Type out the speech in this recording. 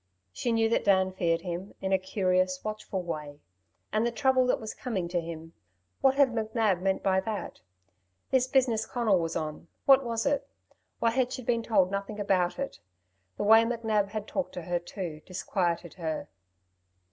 She knew that Dan feared him, in a curious, watchful way. And the trouble that was coming to him. What had McNab meant by that? This business Conal was on, what was it? Why had she been told nothing about it? The way McNab had talked to her, too, disquieted her.